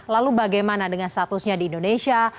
lalu bagaimana dengan statusnya di indonesia